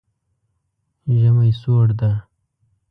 ژمی سوړ ده